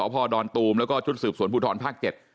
พ่อดอนตูมแล้วก็ชุดสืบสวนผู้ถอนภาคเจ็ด